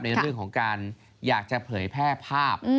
ในเรื่องของการอยากจะเผยแพร่ภาพ